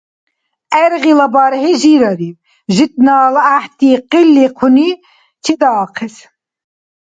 ГӀергъила бархӀи жирариб, житнала гӀяхӀти къиликъуни чедаахъес.